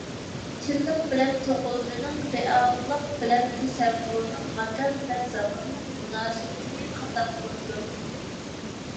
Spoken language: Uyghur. چىنلىق بىلەن توقۇلمىنىڭ، رېئاللىق بىلەن تەسەۋۋۇرنىڭ، ماكان بىلەن زاماننىڭ مۇناسىۋىتىنى قانداق بولىدۇ؟